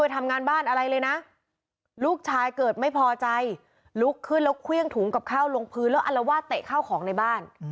ว่าเตะข้าวของในบ้าน